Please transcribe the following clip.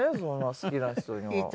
好きな人には。